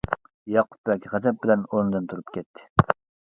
ياقۇپ بەگ غەزەپ بىلەن ئورنىدىن تۇرۇپ كەتتى.